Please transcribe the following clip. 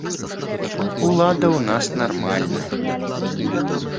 Улада ў нас нармальная.